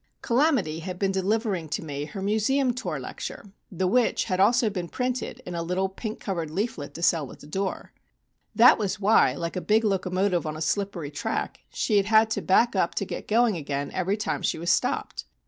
'" "Calamity" had been delivering to me her museum tour lecture, the which had also been printed in a little pink covered leaflet to sell at the door. That was why, like a big locomotive on a slippery track, she had had to back up to get going again every time she was stopped.